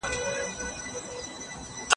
ډير ودونه کول د کورنۍ ژوند نه اراموي.